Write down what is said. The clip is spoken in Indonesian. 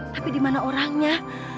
tapi di mana orangnya